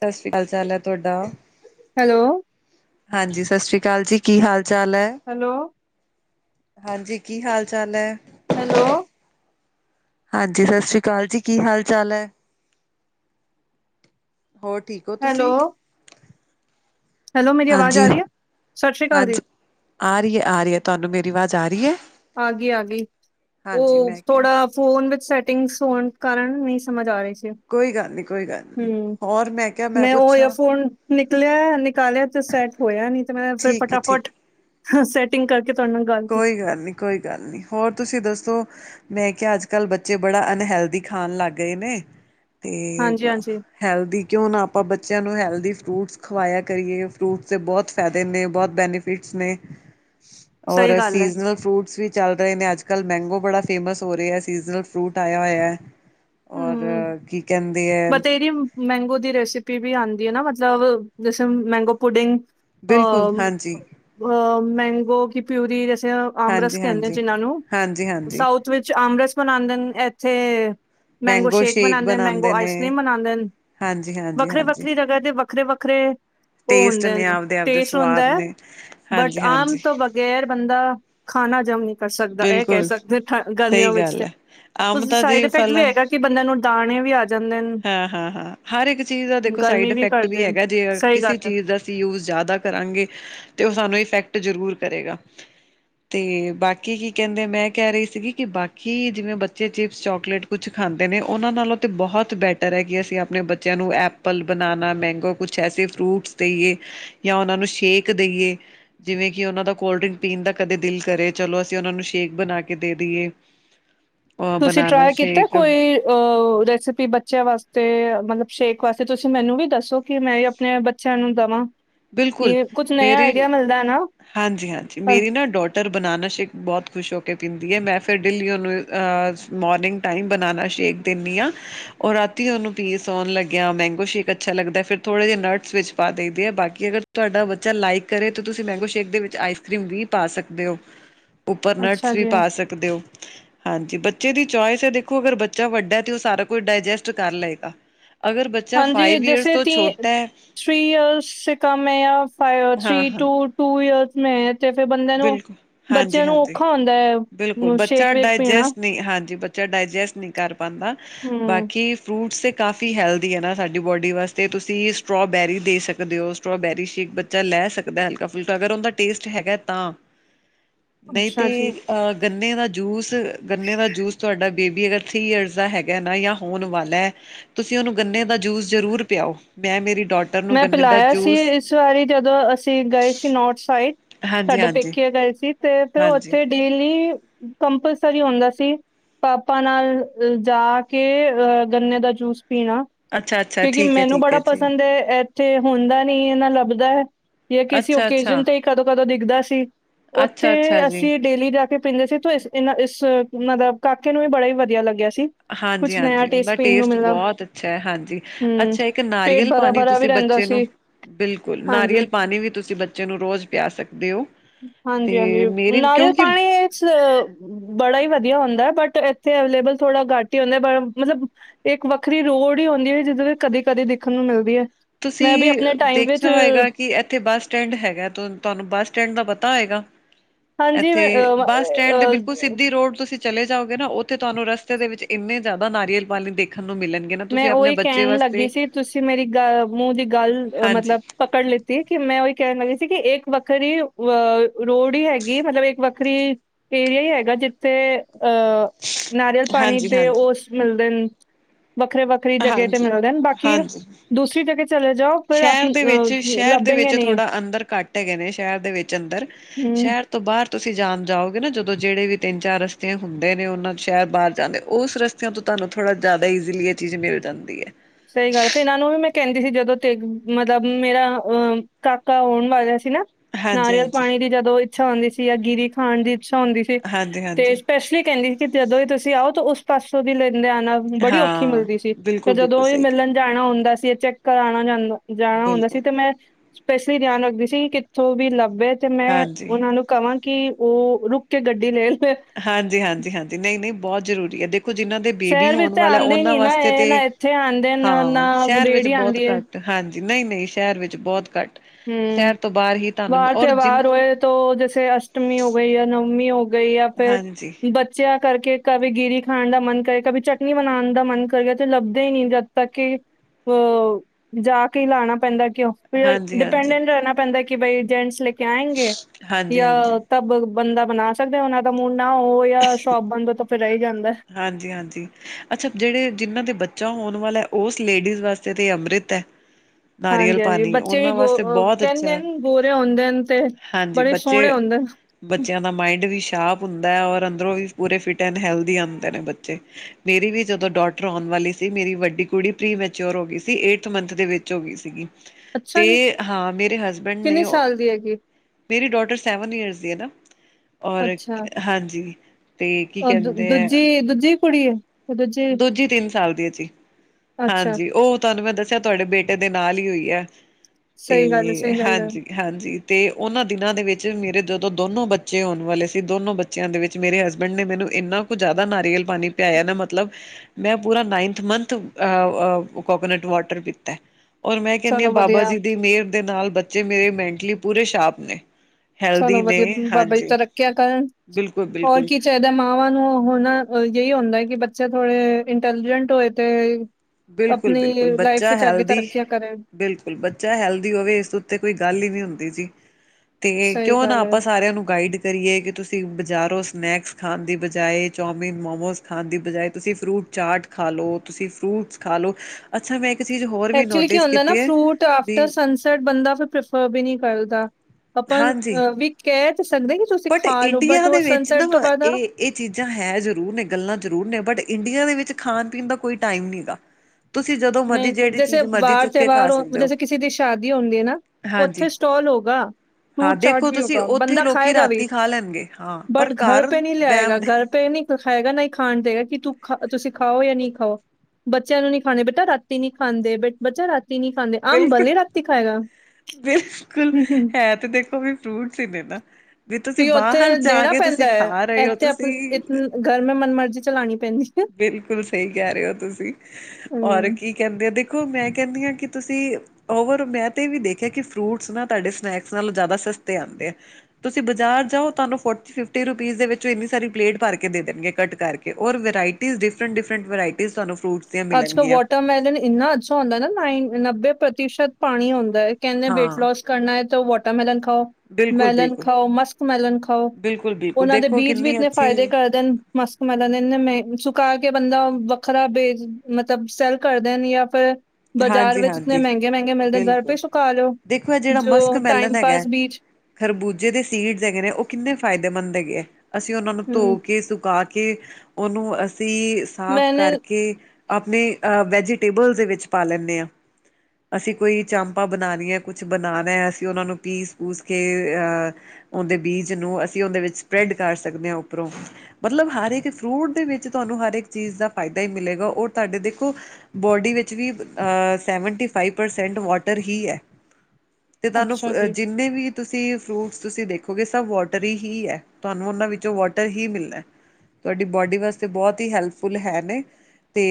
ਸਤਿ ਸ੍ਰੀ ਅਕਾਲ ਕੀ ਹਾਲ, ਚਾਲ ਹੈ ਤੁਹਾਡਾ? ਹੈਲੋ ਹਾਂਜੀ ਸਤਿ ਸ੍ਰੀ ਅਕਾਲ ਜੀ ਕੀ ਹਾਲ ਚਾਲ ਹੈ? ਹੈਲੋ। ਹਾਂਜੀ, ਕੀ ਹਾਲ-ਚਾਲ ਐ? ਹੈਲੋ ਹਾਂਜੀ, ਸਤਿ ਸ਼੍ਰੀ ਕਾਲ ਜੀ ਕੀ ਹਾਲ-ਚਾਲ ਐ? ਹੋਰ ਠੀਕ ਓ ਹੈਲੋ ਤੁਸੀਂ? ਹੈਲੋ ਮੇਰੀ ਆਵਾਜ਼ ਹਾਂਜੀ ਆ ਰਈ ਐ? ਸਤਿ ਸ਼੍ਰੀ ਕਾਲ ਜੀ। ਹਾਂਜੀ ਆ ਰਈ ਐ, ਆ ਰਹੀ ਐ, ਤੁਆਨੂੰ ਮੇਰੀ ਆਵਾਜ ਆ ਰਈ ਐ? ਆ ਗੀ, ਆ ਗੀ ਓ ਕਿਹਾ ਥੋੜਾ ਫੋਨ ਵਿੱਚ ਸੈਟਿੰਗਸ ਹੋਨ ਕਾਰਨ ਨਈਂ ਸਮਝ ਆ ਰਈ ਸੀ। ਕੋਈ ਗੱਲ ਨਹੀਂ ਕੋਈ ਗੱਲ ਨਹੀਂ ਹਮ, ਹੋਰ ਕਿਹਾ ਮੈਂ ਓ ਪੁੱਛਾਂ ਏਅਰਫੋਨ ਨਿਕਲੇਆ-ਨਿਕਾਲੇਆ ਤੇ ਸੈਟ ਹੋਏਆ, ਨੀਂ ਤੇ ਮੈਂ ਫਿਰ ਠੀਕ ਹੈ ਫਟਾਫਟ ਠੀਕ ਸੈਟ ਟਿੰਗ ਕਰਕੇ ਤੁਆਡੇ ਨਾਲ ਗੱਲ ਕੀਤੀ ਕੋਈ ਗੱਲ ਨੀਂ-ਕੋਈ ਗੱਲ ਨੀਂ, ਹੋਰ ਤੁਸੀ ਦੱਸੋ? ਮੈਂ ਕੇਆ ਅੱਜ-ਕੱਲ ਬੱਚੇ ਬੜਾ ਅਨਹੈਲਦੀ ਖਾਣ ਲੱਗ ਗਏ ਨੇ ਤੇ ਹਾਂਜੀ ਹਾਂਜੀ ਹੈਲਦੀ, ਕਿਉਂ ਨਾ ਆਪਾਂ ਬੱਚੇਆਂ ਨੂੰ ਹੈਲਦੀ ਫਰੂਟਸ ਖਵਾਏਆ ਕਰੀਏ, ਫਰੂਟਸ ਦੇ ਬੋਤ ਫੈਦੇ ਨੇ ਬੋਤ ਬੈਨੀ ਫਿਟਸ ਨੇ ਸਹੀ ਔਰ ਗੱਲ ਹੈ ਸੀਜਨਲ ਫਰੂਟਸ ਵੀ ਚੱਲ ਰਏ ਨੇ, ਅੱਜ-ਕੱਲ ਮੈਂਗੋ ਬੜਾ ਫੇਮਸ ਹੋ ਰੇਐ ਸੀਜਨਲ ਫਰੂਟ ਆਏਆ ਹੋਏਐ। ਔਰ ਹਮ ਕੀ ਕੈੰਦੇ ਐ। ਬਥੇਰੀ ਮੈਂਗੋ ਦੀ ਰੈਸਪੀ ਵੀ ਆਂਦੀ ਐ ਨਾ, ਮਤਲਬ ਰਸਮ, ਮੈਂਗੋ ਪੁਡਿੰਗ ਬਿਲਕੁਲ ਅ, ਹਾਂਜੀ ਅ ਮੈਂਗੋ ਕੀ ਪਿਊਰੀ ਜੈਸੇ ਅ ਆਮਰਸ ਹਾਂਜੀ ਕੇਂਦੇ ਹਾਂਜੀ ਜਿਨਾਂ ਨੂੰ, ਹਾਂਜੀ ਹਾਂਜੀ ਸਾਊਥ ਵਿੱਚ ਆਮਰਸ ਬਨਾਂਦੇ ਨ ਏਥੇ ਮੈਂਗੋ ਸ਼ੇਕ ਬਨਾਂਦੇ ਨ, ਮੈਂਗੋ ਆਈਸ ਕਰੀਮ ਬਨਾਂਦੇ ਨ ਹਾਂਜੀ-ਹਾਂ। ਵੱਖਰੇ- ਵੱਖਰੀ ਜਗਾ ਦੇ ਵੱਖਰੇ-ਵੱਖਰੇ ਓ ਟੇਸਟ ਹੁੰਦੇ ਨੇ ਨ, ਆਪਦੇ ਆਪਦੇ ਟੇਸਟ ਸਵਾਦ ਹੁੰਦੈ ਨੇ ਬਟ ਹਾਂਜੀ ਆਮ ਹਾਂਜੀ ਤੋਂ ਬ ਗੈਰ ਬੰਦਾ ਖਾਨਾ ਹਜਮ ਨੀਂ ਕਰ ਸਕਦਾ, ਐ ਕੇਹ ਬਿਲਕੁਲ ਸਕਦੇ ਗਰਮੀਆਂ ਸਹੀ ਵਿੱਚ ਗੱਲ ਤੇ ਹੈ ਅੰਬ ਓਸਦੀ ਤਾਂ ਸਾਈਡ ਜੀ ਇਫੈਕਟ ਫਲ ਵੀ ਹੈਗਾ, ਕਿ ਬੰਦੇਆਂ ਨੂੰ ਦਾਨੇ ਵੀ ਆ ਜਾਂਦੇ ਨ ਹਾਂ-ਹਾਂ, ਹਾਂ ਹਰ ਇੱਕ ਚੀਜ ਦਾ ਦੇਖੋ ਸਾਈਡ ਗਰਮੀ ਫੈਕਟ ਵੀ ਕਰਦੇ ਨੇ ਹੈਗੈ ਜੇ ਸਹੀ ਕਿਸੀ ਗੱਲ ਹੈ ਚੀਜ ਦਾ ਯੂਸ ਜਾਦਾ ਕਰਾਂਗੇ, ਤੇ ਓ ਸਾਨੂੰ ਇਫੈਕਟ ਜਰੂਰ ਕਰੇਗਾ। ਤੇ ਬਾਕੀ ਕੀ ਕੇਂਦੇ ਮੈਂ ਕੇਹ ਰਹੀ ਸੀਗੀ, ਕਿ ਬਾਕੀ ਜਿਵੇਂ ਬੱਚੇ ਚਿਪਸ ਚੋਕਲੇਟ ਕੁਛ ਖਾਂਦੇ ਨੇ, ਓਨਾਂ ਨਾਲੋਂ ਤੇ ਬੋਹਤ ਬੋਤ ਬੈਟਰ ਐ ਕਿ, ਅਸੀਂ ਆਪਨੇ ਬੱਚੇਆਂ ਨੂੰ ਐਪਲ, ਬਨਾਨਾ, ਮੈਂਗੋ ਕੁਛ ਐਸੇ ਫਰੂਟਸ ਦੇਈਏ ਯਾ ਓਨਾਂ ਨੂੰ ਸ਼ੇਕ ਦੇਈਏ ਜਿਵੇਂ ਕਿ, ਓਨਾਂ ਦਾ ਕੋਲਡ ਡਰਿੰਕ ਪੀਨ ਦਾ ਕਦੇ ਦਿਲ ਕਰੇ ਚਲੋ, ਅਸੀਂ ਓਨਾਂ ਨੂੰ ਸ਼ੇਕ ਬਨਾ ਕੇ ਦੇ ਦੇਈਏ [inaudible] ਤੁਸੀ ਬਨਾਨਾ ਟਰਾਏ ਕੀਤਾ ਸ਼ੇਕ ਕੋਈ ਅ ਰੈਸਪੀ ਬੱਚੇਆਂ ਵਾਸਤੇ ਮਤਲਬ ਸ਼ੇਕ ਵੈਸੇ ਤੁਸੀ ਮੈਨੂੰ ਵੀ ਦੱਸੋ ਕਿ ਮੈਂ ਵੀ ਆਪਨੇ ਬੱਚੇਆਂ ਨੂੰ ਦਵਾਂ ਬਿਲਕੁਲ ਕਿ ਕੁਝ ਨਇਆ ਮੇਰੀ ਆਈਡੀਆ ਮਿਲਦਾ ਹੈ ਨਾ ਹਾਂਜੀ-ਹਾਂਜੀ ਮੇਰੀ ਨਾ ਡੋ ਟਰ, ਬਨਾਨਾ ਸ਼ੇਕ ਬੋਤ ਖੁਸ਼ ਹੋ ਕੇ ਪੀਂਦੀ ਐ, ਮੈਂ ਫਿਰ ਡੇਲੀ ਓਨੂੰ ਅ ਮੋਰਨਿੰਗ ਟਾਈਮ ਬਨਾਨਾ ਸ਼ੇਕ ਦੇਨੀਂ ਆਂ। ਔਰ ਰਾਤੀ ਓਨੂੰ ਪੀ, ਸੌਨ ਲੱਗੇਆਂ ਮੈਂਗੋ ਸ਼ੇਕ ਅੱਛਾ ਲੱਗਦੈ ਫਿਰ ਥੋੜੇ ਜੇ ਨਟਸ ਵਿੱਚ ਪਾ ਦੇਈ ਦੇ ਐ ਬਾਕੀ ਕਿ, ਅਗਰ ਤੁਆਡਾ ਬੱਚਾ ਲਾਈਕ ਕਰੇ ਤਾਂ ਤੁਸੀ ਮੈਂਗੋ ਸ਼ੇਕ ਦੇ ਵਿੱਚ ਆਈਸ ਕ੍ਰੀਮ ਵੀ ਪਾ ਸਕਦੇ ਓ। ਉਪਰ ਨਟਸ ਵੀ ਪਾ ਸਕਦੇ ਓ। ਹਾਂਜੀ, ਬੱਚੇ ਦੀ ਚੋਆਇਸ ਐ ਦੇਖੋ ਅਗਰ ਬੱਚਾ ਵੱਡੈ ਤੇ ਓ ਸਾਰਾ ਕੁਛ ਡਾਇਜੈਸਟ ਕਰ ਲਏਗਾ। ਅਗਰ ਬੱਚਾ ਫਾਈਵ ਈਅਰਸ ਤੋਂ ਛੋਟਾ ਐ ਥ੍ਰਰੀ ਇਅਰਸ ਸੇ ਕਮ ਏ ਆ, ਫ ਥ੍ਰਰੀ ਹਾਂ-ਹਾਂ ਟੂ ਟੂ ਇਅਰਸ ਮੈਂ ਤੇ ਫੇਰ ਬੰਦੇ ਨੂੰ, ਬਿਲਕੁਲ ਬੱਚਿਆਂ ਨੂੰ ਹਾਂਜੀ-ਹਾਂਜੀ ਔਖਾ ਹੋਂਦਾ ਐ, ਬਿਲਕੁਲ ਬੱਚਾ ਸ਼ੇਕ-ਵੇਕ ਪੀਣਾ। ਡਾਇਜੈਸਟ ਨਹੀਂ ਹਾਂਜੀ ਬੱਚਾ ਡਾਇਜੈਸਟ ਨਈਂ ਕਰ ਪਾਂਦਾ, ਹੂੰ, ਬਾਕੀ ਫਰੂਟਸ ਤੇ ਕਾਫੀ ਹੈਲਦੀ ਐ ਨਾ ਸਾਡੀ ਬੋਡੀ ਵਾਸਤੇ, ਤੁਸੀਂ ਸਟ੍ਰੋਬੈਰੀ ਦੇ ਸਕਦੇ ਓ, ਸਟ੍ਰੋਬੈਰੀ ਸ਼ੇਕ ਬ ਬੱਚਾ ਲੈ ਸਕਦਾ, ਹਲਕਾ-ਫੁਲਕਾ ਅਗਰ ਓਂਦਾ ਟੇਸਟ ਹੈਗਾ ਤਾਂ ਨਈਂ ਅੱਛਾ ਤੇ ਜੀ। ਅਹ ਗੰਨੇ ਦਾ ਜੂਸ, ਗੰਨੇ ਦਾ ਜੂਸ ਤੁਹਾਡਾ ਬੇਬੀ ਅਗਰ ਥ੍ਰੀ ਈਅਰਸ ਦਾ ਹੈਗਾ ਨਾ, ਜਾਂ ਹੋਣ ਵਾਲਾ ਤੇ ਤੁਸੀਂ ਓਨੂੰ ਗੰਨੇ ਦਾ ਜੂਸ ਜਰੂਰ ਪਿਆਓ, ਮੈਂ ਮੇਰੀ ਡੋ ਮੈਂ ਪਿਲਾਇਆ ਸੀ। ਇਸ ਵਾਰੀ ਜਦੋਂ ਅਸੀਂ ਗਏ ਸੀ, ਨੌਰਥ ਸਾਈਡ, ਹਾਂਜੀ ਸਾਡੇ ਹਾਂਜੀ ਪੇਕੇ ਗਏ ਸੀ, ਤੇ ਫੇਰ ਹਾਂਜੀ ਉੱਥੇ ਡੇਲੀ ਕੰਪਲਸਰੀ ਹੁੰਦਾ ਸੀ। ਪਾਪਾ ਨਾਲ ਅ ਜਾ ਕੇ ਅ ਗੰਨੇ ਦਾ ਜੂਸ ਪੀਣਾ। ਅੱਛਾ ਅੱਛਾ ਕਿਉਂਕਿ ਠੀਕ ਹੈ ਮੈਨੂੰ ਠੀਕ ਬੜਾ ਹੈ ਜੀ ਪਸੰਦ ਐ। ਏਥੇ ਹੋਂਦਾ ਨੀ ਏ, ਨਾ ਲੱਭਦਾ ਜਾਂ ਕਿਸੇ ਅੱਛਾ ਅੱਛਾ ਓਕੇਜਨ ਤੇ ਈ ਕਦੋਂ-ਕਦੋਂ ਦਿਖਦਾ ਸੀ! ਅੱਛਾ ਓਥੇ ਅੱਛਾ ਜੀ ਅਸੀਂ ਡੇਲੀ ਜਾ ਕੇ ਪੀਂਦੇ ਸੀ, ਤੋਂ ਇਸ ਇਨਾਂ ਇਸ ਮਤਲਬ ਕਾਕੇ ਨੂੰ ਵੀ ਬੜਾ ਈ ਵਧੀਆ ਲੱਗਿਆ ਸੀ। ਕੁਛ ਨਇਆ ਹਾਂਜੀ-ਹਾਂਜੀ, ਉਂਦਾ ਪੀਣ ਨੂੰ ਟੇਸਟ ਮਿਲਾ ਬੌਤ ਅੱਛਾ ਐ ਹਾਂਜੀ, ਹੂੰ, ਅੱਛਾ ਇੱਕ ਪੇਟ ਨਾਰੀਅਲ ਪਾਣੀ ਭਰਾ-ਭਰਾ ਵੀ ਤੁਸੀਂ ਰਹਿੰਦਾ ਬੱਚੇ ਨੂੰ ਸੀ ਬਿਲਕੁਲ, ਹਾਂਜੀ। ਨਾਰੀਅਲ ਪਾਣੀ ਵੀ ਤੁਸੀਂ ਬੱਚੇ ਨੂੰ ਰੋਜ਼ ਪਿਆ ਸਕਦੇ ਓ। ਹਾਂਜੀ-ਹਾਂਜੀ, ਨਾਰੀਅਲ ਪਾਣੀ ਗਰਮੀਆਂ 'ਚ ਬੜਾ ਈ ਵਧੀਆ ਹੁੰਦਾ, ਬਟ ਇੱਥੇ ਅਵਲੇਬਲ ਥੋੜਾ ਘੱਟ ਈ ਹੋਂਦਾ, ਬ ਮਤਲਬ ਏਕ ਵੱਖਰੀ ਰੋਡ ਈ ਹੋਂਦੀ ਏ, ਜਿਦੋਂ ਏ ਕਦੀ-ਕਦੀ ਦੇਖਣ ਨੂੰ ਮਿਲਦੀ ਐ। ਤੁਸੀਂ ਦੇਖਿਆ ਹੋਏਗਾ ਕਿ ਇੱਥੇ ਬੱਸ ਸਟੈਂਡ ਹੈਗਾ, ਤੁ ਤੁਹਾਨੂੰ ਬੱਸ ਸਟੈਂਡ ਦਾ ਪਤਾ ਹੋਏਗਾ? ਹਾਂਜੀ ਏਥੇ ਮੈਂ ਅ ਬਾਸ ਸਟੈਂਡ ਦੇ ਬਿਲਕੁਲ ਅ ਸਿੱਧੀ ਰੋਡ ਤੁਸੀਂ ਚਲੇ ਜਾਓਗੇ ਨਾ, ਉੱਥੇ ਤੁਹਾਨੂੰ ਰਸਤੇ ਦੇ ਵਿੱਚ ਇੰਨੇ ਜ਼ਿਆਦਾ ਨਾਰੀਅਲ ਪਾਣੀ ਦੇਖਣ ਨੂੰ ਮਿਲਣ ਗੇਣਾ ਮੈਂ ਤੁਸੀਂ ਆਪਣੇ ਉਹੀ ਬੱਚੇ ਕਹਿਣ ਲੱਗੀ ਵਾਸਤੇ ਸੀ ਤੁਸੀਂ ਮੇਰੀ ਗ ਮੂੰਹ ਦੀ ਗੱਲ ਮਤਲਬ ਪਕੜ ਲਿੱਤੀ ਕਿ ਮੈਂ ਓਈ ਕਹਿਣ ਲਗੀ ਸੀ, ਕਿ ਏਕ ਵੱਖਰੀ ਅ ਰੋਡ ਈ ਹੈਗੀ ਏ, ਮਤਲਬ ਏਕ ਵੱਖਰੀ ਏਰੀਆ ਈ ਹੈਗਾ, ਜਿੱਥੇ ਅਹ ਨਾਰੀਅਲ ਪਾਣੀ ਦੇ ਹਾਂਜੀ-ਹਾਂਜੀ-ਹਾਂਜੀ, ਓਸ ਮਿਲਦੇ ਨੇ। ਵੱਖਰੇ, ਵੱਖਰੀ ਜਗਾਂ ਤੇ ਮਿਲਦੇ ਨੇ, ਬਾਕੀ ਹਾਂਜੀ-ਹਾਂਜੀ ਦੂਸਰੀ ਜਗ੍ਹਾ ਚਲੇ ਜਾਓ। ਫਿਰ ਆਪ ਸ਼ਹਿਰ ਦੇ ਵਿੱਚ ਸ਼ਹਿਰ ਦੇ ਲੱਭੇਗੇ ਵਿੱਚ ਨਹੀਂ ਥੋੜ੍ਹਾ ਅੰਦਰ ਘੱਟ ਹੈਗੇ ਨੇ, ਸ਼ਹਿਰ ਦੇ ਵਿੱਚ ਅੰਦਰ। ਹਮ। ਸ਼ਹਿਰ ਤੋਂ ਬਾਹਰ ਤੁਸੀਂ ਜਾਣ ਜਾਓਗੇ ਨਾ, ਜਦੋਂ ਜੇੜੇ ਵੀ ਤਿੰਨ-ਚਾਰ ਰਸਤੇ ਹੁੰਦੇ ਨੇ, ਓਨਾਂ ਸ਼ਹਿਰ ਬਾਰ ਜਾਂਦੇ ਉਸ ਰਸਤੇ ਰਸਤਿਆ ਤੋਂ ਤੁਹਾਨੂੰ ਥੋੜਾ ਜ਼ਿਆਦਾ ਈਜ਼ੀਲੀ ਏ ਚੀਜ਼ ਮਿਲ ਜਾਂਦੀ ਐ। ਸਹੀ ਗੱਲ ਏ, ਫੇਰ ਇਨਾਂ ਨੂੰ ਵੀ ਮੈਂ ਕੈਂਦੀ ਸੀ, ਜਦੋਂ ਤੇ ਮਤਲਬ ਮੇਰਾ ਅਹ ਕਾਕਾ ਹੋਣ ਵਾਲਾ ਸੀ ਨਾ। ਹਾਂਜੀ ਨਾਰੀਅਲ ਹਾਂਜੀ ਪਾਣੀ ਦੀ ਜਦੋਂ ਇੱਛਾ ਹੋਂਦੀ ਸੀ, ਜਾਂ ਗਿਰੀ ਖਾਣ ਦੀ ਇੱਛਾ ਹੋਂਦੀ ਹਾਂਜੀ ਤੇ ਹਾਂਜੀ ਸਪੈਸ਼ਲੀ ਕਹਿੰਦੀ ਸੀ, ਕਿ ਜਦੋਂ ਵੀ ਤੁਸੀਂ ਆਓ, ਤਾਂ ਓਸ ਪਾਸੇ ਓ ਦੀ ਲੈਂਦੇ ਆ ਨਾ। ਹਾਂ, ਬਿਲਕੁਲ, ਬਿਲਕੁਲ ਸਈ ਕਿਆ। ਮਿਲਣ ਜਾਣਾ ਹੋਂਦਾ ਸੀ, ਚੈੱਕ ਕਰਾਣਾ ਜਾਂਦਾ, ਜਾਣਾ ਹੁੰਦਾ ਸੀ, ਬਿਲਕੁਲ ਤੇ ਮੈਂ ਸਪੈਸ਼ਲੀ ਧਿਆਨ ਰੱਖਦੀ ਸੀ, ਕਿ ਕਿੱਥੋਂ ਵੀ ਲੱਭੇ, ਤੇ ਮੈਂ ਹਾਂਜੀ ਓਨਾਂ ਨੂੰ ਕਵਾਂ ਕਿ ਓ ਰੁਕ ਕੇ ਗੱਡੀ ਲੇਲੇ। ਹਾਂਜੀ, ਹਾਂਜੀ, ਹਾਂਜੀ, ਨਈਂ-ਨਈਂ, ਬੌਤ ਜ਼ਰੂਰੀ ਐ ਦੇਖੋ ਜਿਨਾਂ ਦੇ ਬੇਬੀ ਸ਼ਹਿਰ ਹੋਣ ਵਿੱਚ ਤਾਂ ਵਾਲਾ ਆਂਦੇ ਹੀ ਓਨਾਂ ਨਹੀਂ ਨਾ ਵਾਸਤੇ ਇਹ ਤੇ ਨਾ ਇੱਥੇ ਆਂਦੇ ਨਾ ਨਾ ਹਾਂ ਸ਼ੈਹਰ ਵਿੱਚ ਰੇਹੜੀ ਬਹੁਤ ਆਂਦੀ ਹੈ ਘੱਟ ਹਾਂਜੀ, ਨਈਂ-ਨਈਂ, ਸ਼ੈਹਰ ਵਿੱਚ ਬੌਤ ਘੱਟ। ਹੂੰ, ਸ਼ਹਿਰ ਤੋਂ ਬਾਹਰ ਹੀ ਤੁਹਾਨੂੰ ਵਾਰ ਔਰ ਤੇ ਜਿੰਨ ਵਾਰ ਹੋਏ ਤੋ ਜੈਸੇ ਅਸ਼ਟਮੀ ਹੋ ਗਈ, ਨਵਮੀ ਹੋ ਗਈ ਯਾ ਫੇਰ ਹਾਂਜੀ ਬ ਬਚਿਆਂ ਕਰਕੇ ਕਦੇ ਗਿਰੀ ਖਾਣ ਦਾ ਮਨ ਕਰੇ, ਕਭੀ ਚਟਨੀ ਬਨਾਣ ਦਾ ਮਨ ਕਰੇ ਤੇ ਲੱਭਦੇ ਈ ਨੀਂ ਜਦ ਤੱਕ ਕਿ ਅ ਜਾ ਕੇ ਹੀ ਲਾਣਾ ਪੈਂਦਾ ਘਿਓ। ਹਾਂਜੀ-ਹਾਂਜੀ। ਰੈਣਾ ਪੈਂਦਾ ਕਿ ਬਈ ਜੇਟਸ ਲੈ ਕੇ ਆਏਗੇ, ਹਾਂਜੀ ਯਾ ਹਾਂਜੀ ਤਬ ਬੰਦਾ ਬਣਾ ਸ ਸਕਦੇ। ਓਨਾਂ ਦਾ ਮੁੜ ਨਾ ਹੋ ਯਾ ਸ਼ੋਪ ਬੰਦ ਹੋ ਤਾਂ ਫੇਰ ਰੈ ਈ ਜਾਂਦੈ। ਹਾਂਜੀ-ਹਾਂਜੀ! ਅੱਛਾ ਜੇੜੇ, ਜਿਨਾਂ ਦੇ ਬੱਚਾ ਹੋਣ ਵਾਲੈ ਉਸ ਲੇਡੀਜ਼ ਵਾਸਤੇ ਤੇ ਅੰਮ੍ਰਿਤ ਐ। [inaudible] ਹਾਂਜੀ-ਹਾਂਜੀ, ਬੱਚੇ ਵੀ ਗੋ-ਅ-ਕੈਂਦੇ ਹੈ ਨ, ਗੋਰੇ ਹੋਨਦੇ ਨ ਤੇ ਹਾਂਜੀ ਬੜੇ ਸੋਹਣੇ ਬੱਚੇ ਹੋਂਦੇ ਨ। ਬੱਚਿਆਂ ਦਾ ਮਾਇੰਡ ਵੀ ਸ਼ਾਰਪ ਹੁੰਦੈ ਔਰ ਅੰਦਰੋਂ ਵੀ ਪੂਰੇ ਫਿਟ ਐਨ ਹੈਲਦੀ ਹੁੰਦੇ ਨੇ ਬੱਚੇ। ਮੇਰੀ ਵੀ ਜਦੋਂ ਡੋਟਰ ਹੋਣ ਵਾਲੀ ਸੀ, ਮੇਰੀ ਵੱਡੀ ਕੁੜੀ ਪ੍ਰੀ ਮੈਚਓਰ ਹੋ ਗੀ ਸੀ, ਏਠਥ ਮੰਥ ਦੇ ਵਿੱਚ ਹੋ ਗਈ ਸੀਗੀ। ਅੱਛਾ ਜੀ, ਤੇ ਹਾਂ ਮੇਰੇ ਹਸਬੈਂਡ ਕਿੰਨੇ ਨੇ ਸਾਲ ਦੀ ਹੈਗੀ? ਮੇਰੀ ਡੋਟਰ ਸੈਵਨ ਈਯਰਸ ਦੀ ਏ ਨਾ, ਔਰ ਹਾਂਜੀ। ਤੇ ਕੀ ਓ ਕਹਿੰਦੇ ਦੁ-ਦੂਜੀ, ਹੈ ਦੂਜੀ ਵੀ ਕੁੜੀ ਏ? ਦੂਜੀ ਤਿੰਨ ਸਾਲ ਦੀ ਏ ਜੀ, ਅੱਛਾ ਹਾਂਜੀ ਓਹ ਤੁਆਨੂੰ ਮੈਂ ਦੱਸਿਆ ਤੁਹਾਡੇ ਬੇਟੇ ਦੇ ਨਾਲ ਈ ਹੋਈ ਐ ਤੇ, ਸਹੀ ਗੱਲ ਹੈ ਸਹੀ ਗੱਲ ਹੈ ਹਾਂਜੀ। ਹਾਂਜੀ ਤੇ ਓਨਾਂ ਦਿਨਾਂ ਦੇ ਵਿੱਚ ਮੇਰੇ ਜਦੋਂ ਦੋਨੋ ਬੱਚੇ ਹੋਣ ਵਾਲੇ ਸੀ ਦੋਨੋ ਬੱਚ ਬੱਚਿਆਂ ਦੇ ਵਿੱਚ ਮੇਰੇ ਹਸਬੈਂਡ ਨੇ ਮੈਨੂੰ ਇੰਨਾ ਕੁ ਜਾਦਾ ਨਾਰੀਅਲ ਪਾਣੀ ਪਿਆਇਆ ਨਾ, ਮਤਲਬ ਮੈਂ ਪੂਰਾ ਨਾਈਨਥ ਮੰਥ ਅ-ਅ-ਕੋਕੋਨਟ ਵਾਟਰ ਪੀਤੈ। ਔਰ ਮੈਂ ਕੈਨੀ ਆਂ ਚਲੋ ਬਾਬਾ ਵਧੀਆ ਜੀ ਦੀ ਮਿਹਰ ਦੇ ਨਾਲ ਬੱਚੇ ਮੇਰੇ ਮੈਂਟਲੀ ਪੂਰੇ ਸ਼ਾਰਪ ਨੇ। ਹੈਲਦੀ ਚੱਲੋ ਨੇ ਵਧੀਆ, ਬਾਬਾ ਜੀ ਹਾਂਜੀ ਤਰੱਕਿਆ ਕਰਨ। ਬਿਲਕੁਲ ਹੋਰ ਬਿਲਕੁਲ ਕੀ ਚਾਈਦ ਦਾ ਮਾਵਾਂ ਨੂੰ ਹੁਣ ਅ-ਯੇਈ ਹੁੰਦੈ ਕਿ ਬੱਚੇ ਥੋੜੇ ਇੰਟੈਲੀਜੈਂਟ ਹੋਏ ਤੇ ਬਿਲਕੁਲ ਅਪਨੀ ਬਿਲਕੁਲ ਲਾਈਫ ਬੱਚਾ ਇਚ ਅੱਗੇ ਹੈਲਦੀ ਤਰੱਕਿਯਾਂ ਕਰੇ। ਬਿਲਕੁਲ ਬੱਚਾ ਹੈਲਦੀ ਹੋਵੇ ਇਸ ਤੋਂ ਉੱਤੇ ਕੋਈ ਗੱਲ ਈ ਨੀ ਹੁੰਦੀ ਜੀ। ਤੇ ਸਹੀ ਕਿਉਂ ਨਾ ਗੱਲ ਹੈ ਆਪਾਂ ਸਾਰਿਆਂ ਨੂੰ ਗਾਈਡ ਕਰੀਏ ਕਿ ਤੁਸੀਂ ਬਜ਼ਾਰੋਂ ਸਨੈਕਸ ਖਾਣ ਦੀ ਬਜਾਏ, ਚੌਮਿਨ ਮੋਮੋਸ ਖਾਣ ਦੀ ਬਜਾਏ ਤੁਸੀਂ ਫਰੂਟ ਚਾਟ ਖਾ ਲੋ, ਤੁਸੀਂ ਫਰੂਟਸ ਖਾ ਲੋ, ਅੱਛਾ ਮੈਂ ਇਕ ਐਕਚੁਲੀ ਕੀ ਹੁੰਦੈ ਨਾ ਫਰੂਟ ਵੀ ਆਫਟਰ ਸਨਸ ਸੈਟ ਬੰਦਾ ਫਿਰ ਪ੍ਰੈਫਰ ਵੀ ਨੀਂ ਕਰਦਾ। ਆਪਾਂ ਹਾਂਜੀ ਅ ਵੀ ਕੈ ਤੇ ਸਕਦੇ ਤੁਸੀਂ ਖਾ ਲੋ ਬਟ ਓ ਸਨਸੈਟ ਤੋਂ ਬਾਦ ਨਾ ਏ ਚੀਜ਼ਾਂ ਹੈ ਜ਼ਰੂਰ ਨੇ, ਗੱਲਾਂ ਜ਼ਰੂਰ ਨੇ ਬਟ ਇੰਡੀਆ ਦੇ ਵਿੱਚ ਖਾਣ-ਪੀਣ ਦਾ ਕੋਈ ਟਾਈਮ ਨੀਗਾ। ਨਈਂ- ਨਈਂ ਜੈਸੇ ਚੁੱਕ ਕੇ ਖਾ ਵਾਰ-ਤਿਉਹਾਰ ਓ, ਸਕਦੇ ਹੋ ਜੈਸੇ ਕਿਸੇ ਦੀ ਸ਼ਾਦੀ ਹੁੰਦੀ ਏ ਨਾ ਓਥੇ ਹਾਂਜੀ ਸਟੋਲ ਹੋਗਾ, ਹਾਂ ਫਰੂਟ ਚਾਟ ਦੇਖੋ ਵੀ ਤੁਸੀਂ ਹੋਗਾ, ਉੱਥੇ ਬੰਦਾ ਲੋਕੀ ਖਾਏਗਾ ਵੀ। ਰਾਤੀ ਖਾ ਲੈਣਗੇ, ਹਾਂ! ਪਰ ਘਰ ਵੈਮ ਨੇ। ਤੇ ਨਈ ਖਾਏਗਾ ਨਾਈ ਖਾਂ ਨੀ ਹੈ ਦੇਗਾ, ਕਿ ਤੂੰ ਖਾ-ਤੁਸੀਂ ਖਾਓ ਯਾ ਨੀ ਖਾਓ, ਬੱਚਿਆਂ ਨੂੰ ਨੀਂ ਖਾਣੇ ਬਚ ਚਾ ਰਾਤੀ ਨੀ ਖਾਂਦੇ, ਬਚ-ਬੱਚਾ ਰਾ ਤੀ ਨੀਂ ਖਾਂਦੇ, ਆਮ ਬਿਲਕੁਲ ਬੱਲ ਰਾਤੀ ਖਾਏਗਾ। ਹੂੰ-ਹੂੰ! ਐ ਤੇ ਦੇਖੋ ਵੀ ਫਰੂਟਸ ਹੀ ਦੇ ਤਾ। ਵੀ ਤੁਸੀਂ ਉੱਥੇ ਬਾਹਰ ਜਾ ਦੇਣਾ ਕੇ ਪੈਂਦਾ ਤੁਸੀਂ ਹੈ ਖਾ ਰਏ ਓ, ਇੱਥੇ ਆਪ ਤੁਸੀਂ ਇਤ ਘਰ ਮੇਂ ਮਨ ਮਰਜੀ ਚਲਾਣੀ ਪੈਂਦੀ। ਹੈ ਬਿਲਕੁਲ ਸਈ ਕੈ ਰੇ ਓ ਤੁਸੀਂ। ਔਰ ਹੂੰ ਕੀ ਕੈਂਦੇ, ਦੇਖੋ ਮੈਂ ਕੈਂਨੀ ਆਂ ਕਿ ਤੁਸੀਂ ਓਵਰ ਮੈਂ ਤੇ ਐ ਵੀ ਦੇਖਿਆ ਕਿ ਫਰੂਟਸ ਨਾ ਤਾਡੇ ਸਨੈਕਸ ਨਾਲੋਂ ਜਾਦਾ ਸਸਤੇ ਆਂਦੇ ਐ। ਤੁਸੀਂ ਬਜਾਰ ਜਾਓ ਤੁਆਨੂੰ ਫੋਰਟੀ, ਫਿਫਟੀ ਰੁਪੀਜ਼ ਦੇ ਵਿੱਚ ਏਨੀਂ ਸਾਰੀ ਪਲੇਟ ਭਰ ਕੇ ਦੇ ਦੇਣਗੇ ਕਟ ਕਰਕੇ ਔਰ ਵੇਰਾਇ ਟੀਸ ਡਿਫਰੈਂਟ-ਡਿਫਰੈਂਟ ਵੈਰਾਇਟੀਜ਼ ਤੁਆਨੂੰ ਫਰੂਟਸ ਦੀਆਂ ਅੱਜ-ਕੱਲ ਮਿਲਣਗੀਆਂ ਵੋਟਰਮੈਲਨ ਇੰਨਾ ਅੱਛਾ ਹੁੰਦੈ ਨਾ ਨ ਨਾਈ ਨੱਬੇ ਪ੍ਰਤੀਸ਼ਤ ਪਾਣੀ ਹੁੰਦਾ ਏ। ਕੈਂਦੇ ਵੇਟ ਹਾਂ ਲੋਜ਼ ਕਰਨੈ ਤੋ ਵੋਟਰਮੈਲਨ ਖਾਓ ਬਿਲਕੁਲ ਮੈਲਨ ਬਿਲਕੁਲ ਖਾਓ, ਮਸਕ ਮੈਲਨ ਖਾਓ। ਬਿਲਕੁਲ ਬਿਲਕੁਲ ਓਨਾਂ ਦੇ ਦੇਖੋ ਬੀਜ ਵੀ ਕਿੰਨੀ ਇਤਨੇ ਅੱਛੀ ਫਾਇਦੇ ਕਰਦੇ ਨ ਮਸਕ ਮੈਲਨ ਏਨੇ ਮੈਂ ਸੁਕਾ ਕੇ ਬੰਦਾ ਵੱਖਰਾ ਬੇਚ ਮਤਲਬ ਸੈੱਲ ਕਰਦੇ ਨੇ ਯਾਂ ਫੇਰ ਬਜਾਰ ਹਾਂਜੀ ਵਿੱਚ ਇਤਨੇ ਹਾਂਜੀ ਮੈਂਗੇ-ਮੈਂਗੇ ਮਿਲਦੇ ਘਰ ਪੇ ਬਿਲਕੁਲ ਸੁਕਾ ਲਓ। ਦੇਖੋ ਇਹ ਜਿਹੜਾ ਜੋ ਮਸਕ ਮੈਲਨ ਟਾਈਮ ਹੈਗਾ ਪਾਸ ਬੀਜ ਖਰਬੂਜੇ ਦੇ ਸੀਡਸ ਹੈਗੇ ਨੇ ਓ ਕਿੰਨੇ ਫਾਇਦੇਮੰਦ ਹੈਗੇ ਐ। ਅਸੀਂ ਓਨਾਂ ਨੂੰ ਧੋ ਕੇ ਸੁਕਾ ਕੇ ਓਨੂੰ ਅਸੀਂ ਸਾਫ਼ ਕਰਕੇ ਆਪਨੇ ਅ ਵੈਜੀਟੇਬਲਸ ਦੇ ਵਿੱਚ ਪਾ ਲੈਂਨੇ ਆਂ। ਅਸੀਂ ਕੋਈ ਚਾਮਪਾਂ ਬਨਾਨੀਐਂ, ਕੁਛ ਬਨਾਨੈ ਅਸੀਂ ਓਨਾਂ ਨੂੰ ਪੀਸ-ਪੂਸ ਕੇ ਅ ਓਦੇ ਬੀਜ ਨੂੰ ਅਸੀਂ ਓਦੇ ਵਿੱਚ ਸਪ੍ਰੈਡ ਕਰ ਸਕਦੇ ਆਂ ਓਪਰੋਂ। ਮਤਲਬ ਹਰ ਇੱਕ ਫਰੂਟ ਦੇ ਵਿੱਚ ਤੁਆਨੂੰ ਹਰਏਕ ਚੀਜ਼ ਦਾ ਫਾਇਦਾ ਈ ਮਿਲੇਗਾ ਔਰ ਤਾਡੇ ਦੇਖੋ ਬੋਡੀ ਵਿੱਚ ਵੀ ਅ ਸੈਵੰਟੀ ਫਾਈਵ ਪਰਸੈਂਟ ਵੋਟਰ ਹੀ ਐ ਤੇ ਤੁਆਨੂੰ ਫ ਅ ਜਿੰ ਨੇ ਵੀ ਤੁਸੀਂ ਫਰੂਟਸ ਤੁਸੀਂ ਦੇਖੋਗੇ ਸਭ ਵੋਟਰਰੀ ਹੀ ਐ। ਤੁਆਨੂੰ ਓਨਾਂ ਵਿੱਚੋਂ ਵੋਟਰ ਹੀ ਮਿਲਨੈ। ਤੁਆਡੀ ਬੋਡੀ ਵਾਸਤੇ ਬੋਹੋਤ ਹੀ ਹੈਲਪਫੁਲ ਹੈ ਨੇ ਤੇ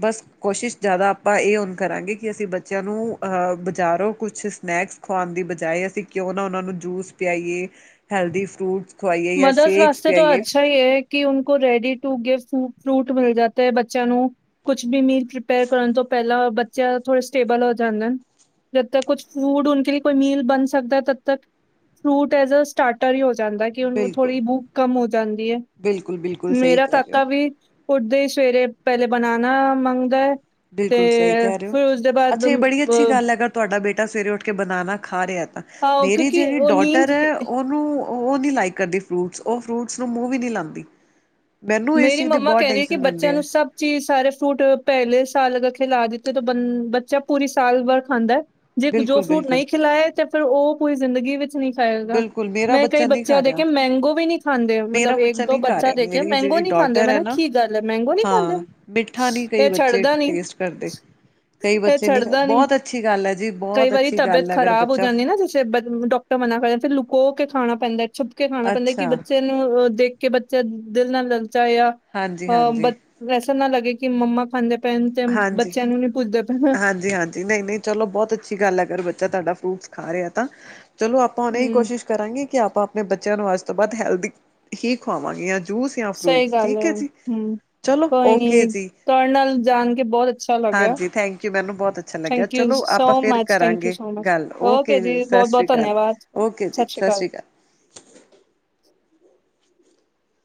ਬਸ ਕੋਸ਼ਿਸ਼ ਜਾਦਾ ਆਪਾਂ ਏ ਹੁੰ ਕਰਾਂਗੇ ਕਿ ਅਸੀਂ ਬੱਚਿਆਂ ਨੂੰ ਅ ਬਜਾਰੋਂ ਕੁਛ ਸਨੈਕਸ ਖੁਆਨ ਦੀ ਬਜਾਏ ਅਸੀਂ ਕਿਓਂ ਨਾ ਓਨਾਂ ਨੂੰ ਜੂਸ ਪਿਆਈਏ, ਹੈਲਦੀ ਫਰੂਟਸ ਖਵਾਈਏ ਜਾਂ ਮਦਰਸ ਸ਼ੇਕਸ ਵਾਸਤੇ ਤੇ ਓ ਪਿਆਈਏ ਅੱਛਾ ਈ ਏ। ਕਿ ਉਨਕੋ ਰੈਡੀ ਟੂ ਗਿਵਸ ਫੂ ਫਰੂਟ ਮਿਲ ਜਾਤੇ ਐ, ਬੱਚਿਆਂ ਨੂੰ ਕੁਛ ਬੀ ਮੀਲ ਪ੍ਰਿਪੇਅਰ ਕਰਨ ਤੋਂ ਪੈਲਾਂ ਬੱਚਿਆਂ ਥੋੜੇ ਸਟੇਬਲ ਹੋ ਜਾਂਦੇ ਨ। ਜਦ ਤੱਕ ਕੁਛ ਫੂਡ, ਉਨਕੇ ਲੀਏ ਕੋਈ ਮੀਲ ਬਨ ਸਕਦਾ ਤਦ ਤੱਕ ਫਰੂਟ ਐਜ਼ ਆ ਸਟਾਰਟਰ ਈ ਹੋ ਜਾਂਦੈ ਕਿ ਓਨੂੰ ਬਿਲਕੁਲ ਥੋੜੀ ਬੂਕ ਕੰਮ ਹੋ ਜਾਂਦੀ ਏ। ਬਿਲਕੁਲ ਬਿਲਕੁਲ ਸਹੀ ਮੇਰਾ ਕਹਿ ਰਹੇ ਹੋ ਕਾਕਾ ਵੀ ਉਡਦੇ ਈ ਸਵੇਰੇ ਪੈਲੇ ਬਨਾਨਾ ਮੰਗਦਾ ਐ ਬਿਲਕੁਲ ਸਹੀ ਤੇ ਕਹਿ ਫਿਰ ਉਸਦੇ ਬਾਦ ਅ ਤੁਆਡਾ ਬੇਟਾ ਸਵੇਰੇ ਓਠ ਕੇ ਬਨਾਨਾ ਖਾ ਰਿਐ ਤਾਂ ਆਹ, ਮੇਰੀ ਕਿਉਂਕਿ ਜੜੀ ਉਹ ਡੋਟਰ ਨੀਂਦ ਐ ਓ ਨੂੰ ਓ ਓ ਨੀ ਲਾਇਕ ਕਰਦੀ ਫਰੂਟਸ। ਓ ਫਰੂਟਸ ਨੂੰ ਮੂੰਅ ਵੀ ਨੀ ਲਾਂਦੀ। ਮੇਰੀ ਮੰਮਾ ਕੈਹ ਰੀ ਥੀ ਰਹਿੰਦੀ ਬੱਚਿਆਂ ਨੂੰ ਹੈ ਸਭ ਚੀਜ ਸਾਰੇ ਫਰੂਟ ਪੈਲੇ ਸਾਲ ਅਗਰ ਖਿਲਾ ਦਿੱਤੇ ਤ ਬੰ, ਬੱਚਾ ਪੂਰੀ ਸਾਲ ਭਰ ਖਾਂਦੈ। ਜੇ ਜੋ ਬਿਲਕੁਲ ਫਰੂਟ ਬਿਲਕੁਲ ਨਈ ਖਿਲਾਏ ਤੇ ਫਿਰ ਓ ਪੂਰੀ ਜ਼ਿੰਦਗੀ ਵਿੱਚ ਨੀ ਖਾਏਗਾ। ਬਿਲਕੁਲ ਮੇਰਾ ਮੈਂ ਕਈ ਬੱਚਾ ਨਹੀਂ ਬੱਚਿਆਂ ਖਾ ਰਿਹਾ ਦੇਖਿਐ ਮੈਂਗੋ ਵੀ ਨੀ ਖਾਂਦੇ ਓ ਮੇਰਾ ਮਤਬ ਏਕ-ਦੋ ਨਹੀਂ ਖਾ ਬੱਚਾ ਰਿਹਾ ਦੇਖਿਐ ਮੇਰੀ ਮੈਂਗੋ ਜਿਹੜੀ ਨੀ ਖਾਂਦੇ ਡੋਟਰ ਹੈ ਮੈਨੂੰ ਨਾ ਕੀ ਗੱਲ ਐ, ਮੈਂਗੋ ਨੀ ਖਾਂਦੇ! ਹਾਂ ਮਿੱਠਾ ਨਹੀਂ ਏ ਕਈ ਬੱਚੇ ਛੱਡਦਾ ਨਈ। ਟੇਸਟ ਕਰਦੇ ਕਈ ਏ ਬੱਚੇ ਨਹੀਂ ਛੱਡਦਾ ਨੀ। ਬਹੁਤ ਅੱਛੀ ਗੱਲ ਹੈ ਜੀ ਕਈ ਬਹੁਤ ਵਾਰੀ ਅੱਛੀ ਤਬੀਅਤ ਗੱਲ ਹੈ ਅਗਰ ਖਰਾਬ ਹੋ ਬੱਚਾ ਜਾਂਦੀ ਏ ਨਾ ਜ ਫੇਰ ਬ ਡੋਕਟਰ ਮਨਾ ਕਰਦੇ ਨ। ਫਿਰ ਲੁਕੋ ਕੇ ਖਾਣਾ ਪੈਂਦੈ, ਛੁੱਪ ਕੇ ਖਾਣਾ ਪੈਂਦੈ ਕਿ ਅੱਛਾ ਬੱਚੇ ਨੂੰ ਅ ਦੇਖ ਕੇ ਬੱਚਾ ਦਿਲ ਨਾ ਲਲਚਾਏ ਯਾ ਹਾਂਜੀ ਅ ਹਾਂਜੀ ਬੱ ਵੈਸਾ ਨਾ ਲਗੇ ਕਿ ਮੰਮਾ ਖਾਂਦੇ ਪਏਨ ਤੇ ਹਾਂਜੀ ਬੱਚਿਆਂ ਨੂੰ ਨੀ ਪੁੱਛਦੇ ਪੇਨ। ਹਾਂਜੀ-ਹਾਂਜੀ ਨਈ-ਨਈ ਚਲੋ ਬੋਤ ਅੱਛੀ ਗੱਲ ਐ ਅਗਰ ਬੱਚਾ ਤਾਡਾ ਫਰੂਟਸ ਖਾ ਰਿਐ ਤਾਂ। ਚਲੋ ਆਪਾਂ ਹੂਨ ਐਈ ਹੂੰ ਕੋਸ਼ਿਸ਼ ਕਰਾਂਗੇ ਕਿ ਆਪਾਂ ਆਪਨੇ ਬੱਚਿਆਂ ਨੂੰ ਅੱਜ ਤੋਂ ਬਾਦ ਹੈਲਦੀ ਹੀ ਖਵਾਵਾਂਗੇ ਯਾਂ ਜੂਸ ਯਾਂ ਸਹੀ ਫਰੂਟਸ, ਗੱਲ ਠੀਕ ਹੈ ਐ ਜੀ। ਚਲੋ, ਓਕੇ ਜੀ। ਤੁਆਡ ਨਾਲ ਜਾਣ ਕੇ ਬੋਤ ਅੱ ਛਾ ਲੱਗਿਆ। ਹਾਂਜੀ ਥੈਂਕ ਯੂ ਮੈਨੂੰ ਬੋਤ ਅੱਛਾ ਲੱਗਿਆ ਥੈਂਕ ਯੂ ਚਲੋ ਸੋ ਆਪਾਂ ਫਿਰ ਮਚ, ਥੈਂਕ ਯੂ ਕਰਾਂਗੇ ਸੋ ਮਚ। ਗੱਲ ਓਕੇ ਜੀ, ਸਤਿ ਸ਼੍ਰੀ ਬੌਤ-ਬੌਤ ਅਕਾਲ ਧਨਯਾਵਾਦ! ਸਤਿ ਸ਼੍ਰੀ ਅਕਾਲ।